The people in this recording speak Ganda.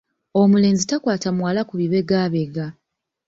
Omulenzi takwata muwala ku bibegabega